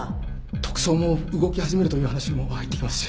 特捜も動き始めるという話も入ってきますし。